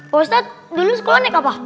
pak ustadz dulu sekolah naik apa